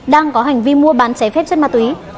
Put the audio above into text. đang có hành vi mua bán cháy phép chất ma túy